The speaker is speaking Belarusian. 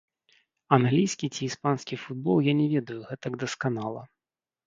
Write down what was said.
Англійскі ці іспанскі футбол я не ведаю гэтак дасканала.